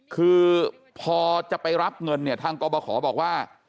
คือพอจะไปรับเงินเนี่ยทางกรบขอบอกว่า